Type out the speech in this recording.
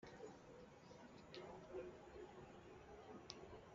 dufasha uwifuza wese kubona ayo manota cyane